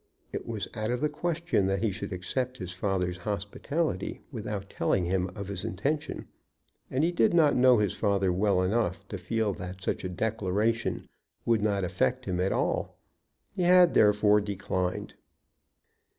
It was out of the question that he should accept his father's hospitality without telling him of his intention, and he did not know his father well enough to feel that such a declaration would not affect him at all. He had, therefore, declined.